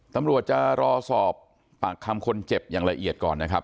ตำรวจจะรออาทิตย์ปรากฏสมัยแต่ละเอียดนะครับ